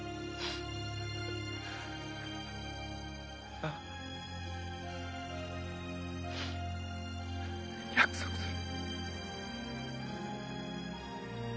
ああ。約束する。